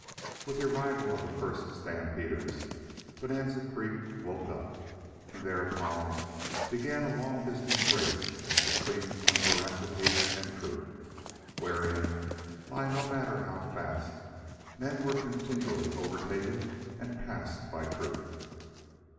With the arrival of the first stampeders, Bonanza Creek woke up, and thereupon began a long distance race between unveracity and truth, wherein, lie no matter how fast, men were continually overtaken and passed by truth.